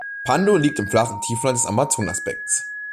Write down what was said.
Pando liegt im flachen Tiefland des Amazonasbeckens.